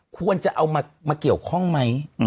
ควรจะเอามาเกี่ยวข้องไหม